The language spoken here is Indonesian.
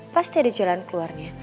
pasti ada jalan keluarnya